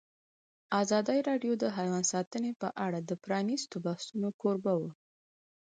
ازادي راډیو د حیوان ساتنه په اړه د پرانیستو بحثونو کوربه وه.